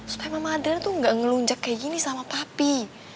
supaya memang adanya tuh gak ngelunjak kayak gini sama papi